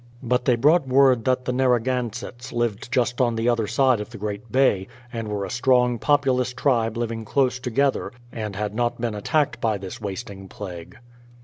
But they brought word that the Narragansetts lived just on the other side of the great bay, and were a strong, populous tribe living close together, and had not been attacked by this wasting plague.